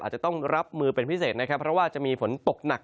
อาจจะต้องรับมือเป็นพิเศษนะครับเพราะว่าจะมีฝนตกหนัก